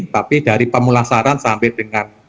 tapi dari pemulasaran sampai dengan